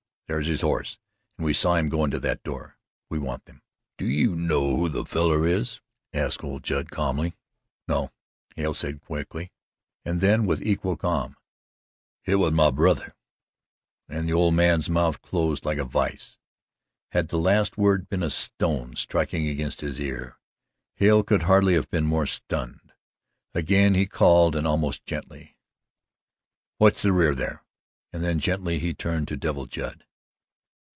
There's his horse and we saw him go into that door. We want him." "Do you know who the feller is?" asked old Judd calmly. "No," said Hale quickly. And then, with equal calm: "Hit was my brother," and the old man's mouth closed like a vise. Had the last word been a stone striking his ear, Hale could hardly have been more stunned. Again he called and almost gently: "Watch the rear, there," and then gently he turned to Devil Judd.